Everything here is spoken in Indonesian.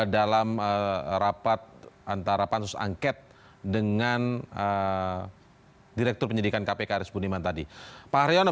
dalam rapat antara pansus angket dengan direktur penyidikan kpk arief budiman tadi pak haryono